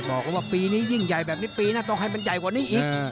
บอกว่าปีนี้ยิ่งใหญ่แบบนี้ปีนะต้องให้มันใหญ่กว่านี้อีก